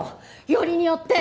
よりによって。